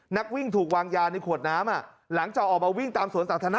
นักวิ่งถูกวางยาในขวดน้ำหลังจากออกมาวิ่งตามสวนสาธารณะ